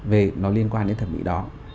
về nó liên quan đến thẩm mỹ đó